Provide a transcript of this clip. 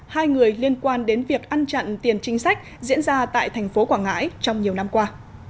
hai người liên quan đến việc ăn chặn tiền chính sách diễn ra tại thành phố quảng ngãi trong nhiều năm qua